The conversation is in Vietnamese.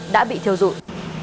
đã bị thiêu rụi